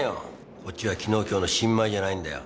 こっちは昨日今日の新米じゃないんだよ。